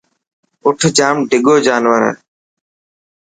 اَٺ جام ڊڳو جانور هي.